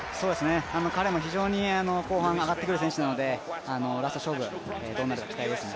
彼も非常に後半上がってくる選手なのでラスト勝負、どうなるか期待ですね。